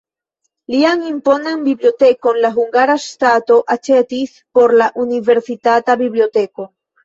Lian imponan bibliotekon la hungara ŝtato aĉetis por la universitata biblioteko.